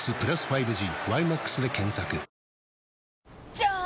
じゃーん！